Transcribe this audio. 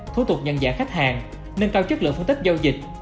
thú thuộc nhân dạng khách hàng nâng cao chất lượng phân tích giao dịch